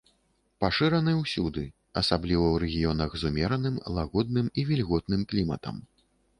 Пашыраны ўсюды, асабліва ў рэгіёнах з умераным, лагодным і вільготным кліматам.